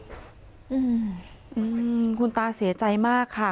อืมคุณตาเสียใจมากค่ะ